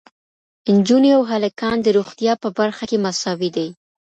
نجونې او هلکان د روغتیا په برخه کې مساوي دي.